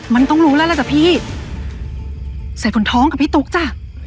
มันต้องรู้แล้วล่ะจ้ะพี่ใส่คนท้องกับพี่ตุ๊กจ้ะ